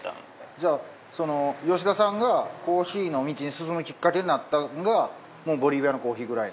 じゃあ吉田さんがコーヒーの道に進むきっかけになったのがボリビアのコーヒーくらいの。